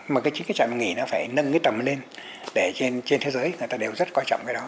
mà chính trạm dừng nghỉ phải nâng tầm lên để trên thế giới người ta đều rất quan trọng cái đó